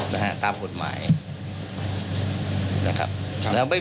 นะฮะตามกฎหมายนะครับครับ